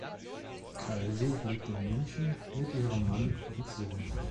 Calvi lebt in München mit ihrem Mann und Sohn.